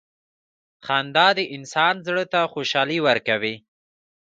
• خندا د انسان زړۀ ته خوشحالي ورکوي.